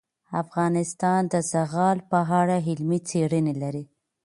افغانستان د زغال په اړه علمي څېړنې لري.